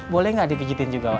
boleh gak dikijitin juga wak